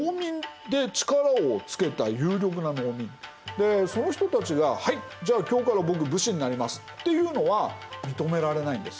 でその人たちが「はい！じゃあ今日から僕武士になります」っていうのは認められないんです。